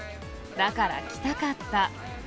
だから来たかった。